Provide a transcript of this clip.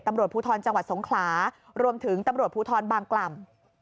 ตำรวจภูทรจังหวัดสงขลารวมถึงตำรวจภูทรบางกล่ำ